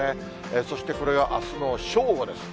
そしてこれがあすの正午です。